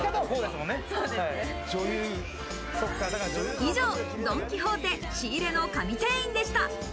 以上、ドン・キホーテ、仕入れの神店員でした。